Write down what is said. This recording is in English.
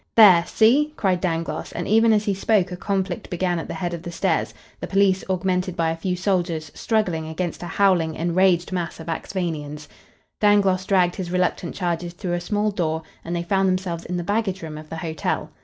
"There! See!" cried Dangloss, and even as he spoke a conflict began at the head of the stairs, the police, augmented by a few soldiers, struggling against a howling, enraged mass of Axphainians. Dangloss dragged his reluctant charges through a small door, and they found themselves in the baggage room of the hotel.